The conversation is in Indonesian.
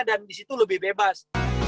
dan di situ lebih bebas